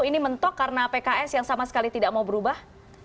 ini mentok karena pks yang sama sekali tidak mau berubah